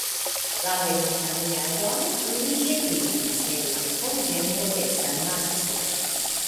La venontan jaron li eniris en la konvento de San Marco.